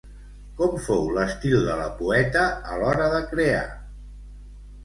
Com fou l'estil de la poeta a l'hora de crear?